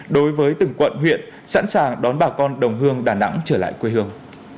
đối với từng quận huyện sẵn sàng đón bà con đồng hương đà nẵng trở lại quê hương